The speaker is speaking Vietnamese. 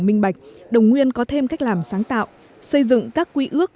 minh bạch đồng nguyên có thêm cách làm sáng tạo xây dựng các quy ước